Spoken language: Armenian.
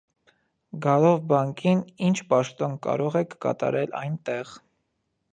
Գալով բանկին, ի՞նչ պաշտոն կարող եք կատարել այնտեղ: